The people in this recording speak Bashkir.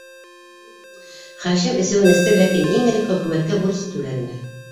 Хашим әсеүен эсте, ләкин иң элек хөкүмәткә бурысын түләр ине.